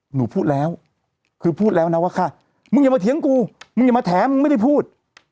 หนูพูดแล้วคือพูดแล้วนะว่าค่ะมึงอย่ามาเถียงกูมึงอย่ามาแถมมึงไม่ได้พูด